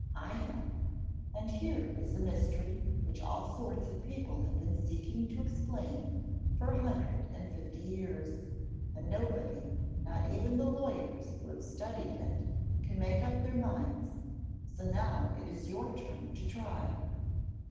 I am. And here is a mystery which all sorts of people have been seeking to explain for a hundred and fifty years, and nobody, not even the lawyers who have studied it, can make up their minds. So now it is your turn to try.